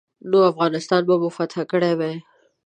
نو افغانستان به مو فتح کړی وای.